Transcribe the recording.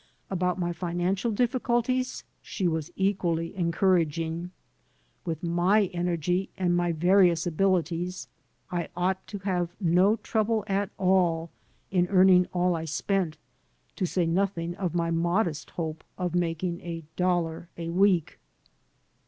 About my financial difficulties she was equally encouraging. With my energy and my various abilities I ought to have no trouble at all in earning all I spent, to say nothing of my modest hope of making a dollar a week.